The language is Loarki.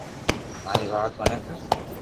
ماري وات متي ڪر